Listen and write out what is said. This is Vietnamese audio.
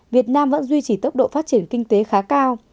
việt nam vẫn duy trì tốc độ phát triển kinh tế khá cao